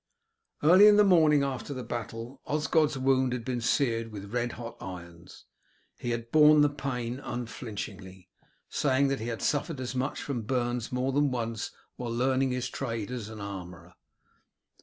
Early in the morning after the battle Osgod's wound had been seared with red hot irons. He had borne the pain unflinchingly, saying that he had suffered as much from burns more than once while learning his trade as an armourer.